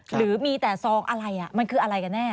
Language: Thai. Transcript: หรือมีแต่ซองอะไรมันคืออะไรกันแน่